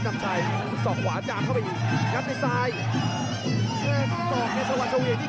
เอาใจความชัดเจนครับมีใกล้ตี